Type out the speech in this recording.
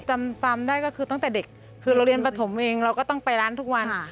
จำฟาร์มได้ก็คือตั้งแต่เด็กคือเราเรียนปฐมเองเราก็ต้องไปร้านทุกวัน